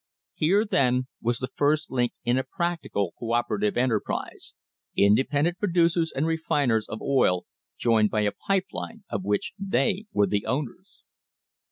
Here, then, was the first link in a practical co operative enterprise independent producers and refiners of oil joined by a pipe line of which they were the owners.